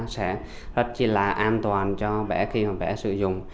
sẽ rất là an toàn cho bé khi mà bé sử dụng